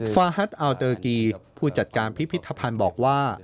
ฟาฮัทอัลเตอร์กีผู้จัดการพิพิธภัณฑ์บอกว่า